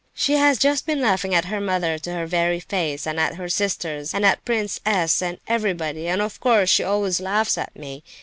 She has just been laughing at her mother to her very face, and at her sisters, and at Prince S., and everybody—and of course she always laughs at me!